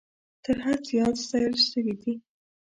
تر حد زیات ستایل سوي دي.